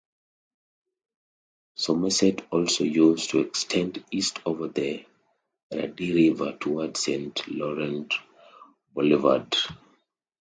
Somerset also used to extend east over the Rideau River towards Saint Laurent Boulevard.